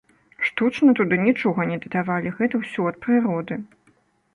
Штучна туды нічога не дадавалі, гэта ўсё ад прыроды.